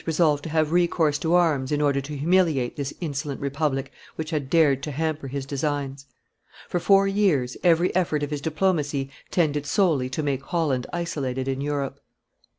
resolved to have recourse to arms in order to humiliate this insolent republic which had dared to hamper his designs. For four years, every effort of his diplomacy tended solely to make Holland isolated in Europe.